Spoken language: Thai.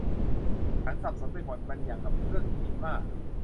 ฉันสับสนไปหมด มันอย่างกับเครื่องอินิกมา